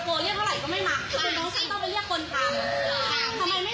ตัวน้องฉันต้องไปเรียกคนตาม